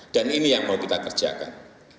ini yang mau kita kerjakan